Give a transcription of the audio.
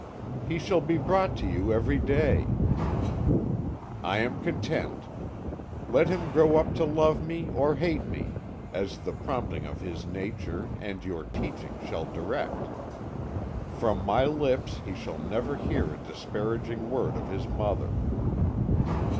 "'He shall be brought to you every day.' "'I am content. Let him grow up to love me or hate me, as the prompting of his nature and your teaching shall direct. From my lips he shall never hear a disparaging word of his mother.'